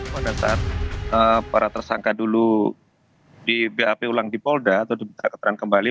pada saat para tersangka dulu di bap ulang di polda atau diminta keterangan kembali